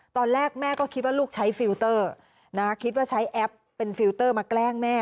ตอนแรกแม่ก็คิดว่าลูกใช้ฟิลเตอร์คิดว่าใช้แอปเป็นฟิลเตอร์มาแกล้งแม่